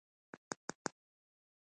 حزبيان کافران دي.